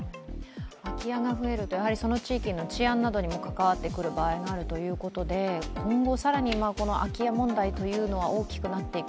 空き家が増えると、やはりその地域の治安にも関わってくることがあるということで今後、更に空き家問題というのは大きくなっていく。